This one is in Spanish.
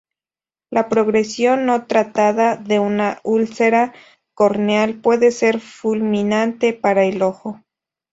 La progresión no tratada de una úlcera corneal puede ser fulminante para el ojo.